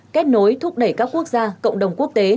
kết nối thúc đẩy các quốc gia cộng đồng quốc tế